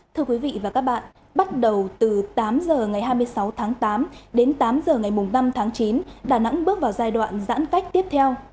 thưa quý vị và các bạn bắt đầu từ tám h ngày hai mươi sáu tháng tám đến tám h ngày năm tháng chín đà nẵng bước vào giai đoạn giãn cách tiếp theo